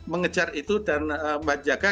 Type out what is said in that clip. mengejar itu dan menjaga